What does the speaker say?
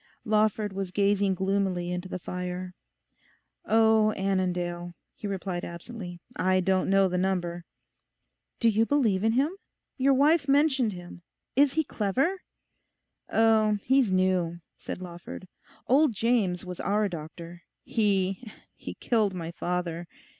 Lawford was gazing gloomily into the fire. 'Oh, Annandale,' he replied absently. 'I don't know the number.' 'Do you believe in him? Your wife mentioned him. Is he clever?' 'Oh, he's new,' said Lawford; 'old James was our doctor. He—he killed my father.